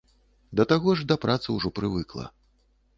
Да таго ж, да працы ўжо прывыкла.